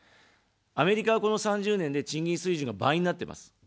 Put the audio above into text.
アメリカは、この３０年で賃金水準が倍になってます。